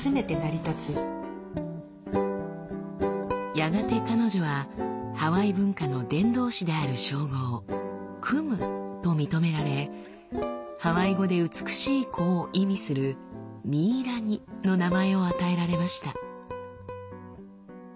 やがて彼女はハワイ文化の伝道師である称号「クム」と認められハワイ語で「美しい子」を意味する「ミイラニ」の名前を与えられました。